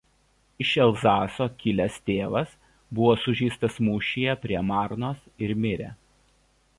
Iš Elzaso kilęs tėvas buvo sužeistas mūšyje prie Marnos ir mirė.